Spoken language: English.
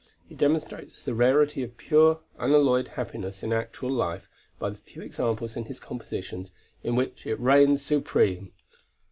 He demonstrates the rarity of pure unalloyed happiness in actual life by the few examples in his compositions in which it reigns supreme.